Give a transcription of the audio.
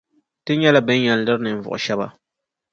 Ti nyɛla bɛ ni yɛn liri ninvuɣu shεba.